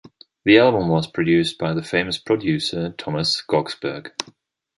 The album was produced by the famous producer Thomas Skogsberg.